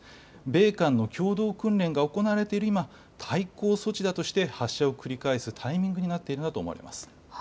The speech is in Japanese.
米韓の共同訓練が行われている今、対抗措置だとして発射を繰り返すタイミングになっているのだと思われます。